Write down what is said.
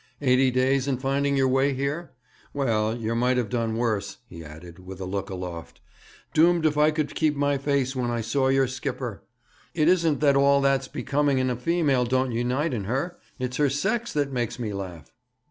'Eighty days in finding your way here? Well, yer might have done worse,' he added, with a look aloft. 'Doomed if I could keep my face when I saw your skipper! It isn't that all that's becoming in a female don't unite in her; it's her sex that makes me laugh.'